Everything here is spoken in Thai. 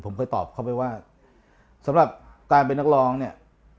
ผมเคยตอบเขาไปว่าสำหรับการเป็นนักร้องเนี่ย